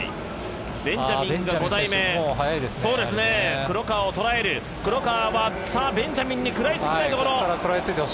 ベンジャミンが５台目黒川はベンジャミンに食らいつきたいところ。